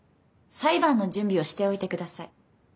裁判の準備をしておいてください。